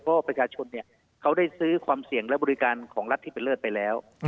เพราะว่าประชาชนเขาได้ซื้อความเสี่ยงและบริการของรัฐที่เป็นเลิศไปแล้ว